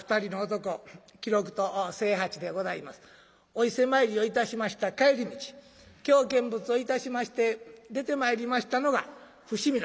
お伊勢参りをいたしました帰り道京見物をいたしまして出てまいりましたのが伏見の浜。